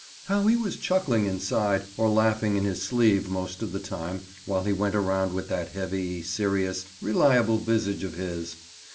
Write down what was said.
How he was chuckling inside, or laughing in his sleeve most of the time while he went around with that heavy, serious, reliable visage of his!